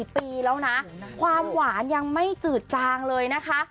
ปีแล้วนะความหวานยังไม่จืดจางเลยนะคะ